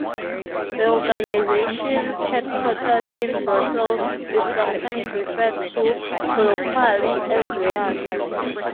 The organization's headquarters in Brussels is sometimes referred to colloquially as "Reyers".